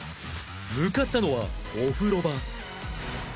向かったのはお風呂場